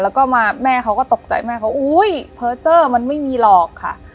แล้วก็มาแม่เขาก็ตกใจแม่เขาอุ้ยเพอร์เจอร์มันไม่มีหรอกค่ะ